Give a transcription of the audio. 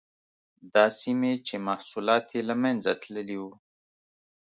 دا سیمې چې محصولات یې له منځه تللي وو.